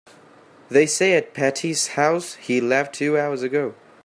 They say at Patti's house he left two hours ago.